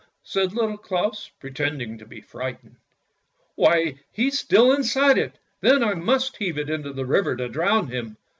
" said Little Claus, pretending to be frightened. " Why, he's still inside it, then I must have it into the river to drown him."